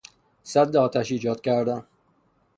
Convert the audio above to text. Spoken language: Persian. سد آتش ایجاد کردن